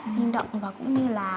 xin động và cũng